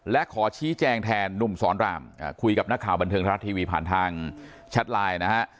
และขอชี้แจงแทนหนุ่มสอนรามคุยกับนักข่าวบันเทิงทรัฐทีวีผ่านทางแชทไลน์นะฮะ